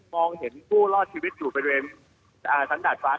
มองเห็นผู้รอดชีวิตอยู่บริเวณอ่าชั้นดาดฟ้าขาม